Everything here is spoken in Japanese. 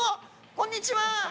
こんにちは。